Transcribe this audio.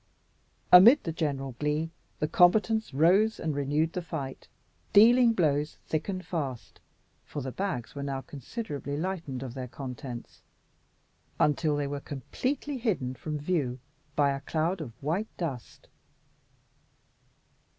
Amid the general glee, the combatants rose and renewed the fight, dealing blows thick and fast for the bags were now considerably lightened of their contents until they were completely hidden from view by a cloud of white dust.